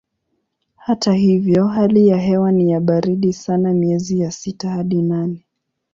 Hata hivyo hali ya hewa ni ya baridi sana miezi ya sita hadi nane.